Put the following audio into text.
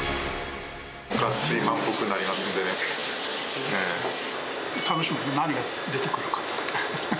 がっつり満腹になりますんで楽しみ、何が出てくるか。